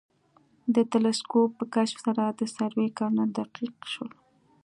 د تلسکوپ په کشف سره د سروې کارونه دقیق شول